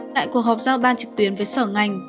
tại cuộc họp giao ban trực tuyến với sở ngành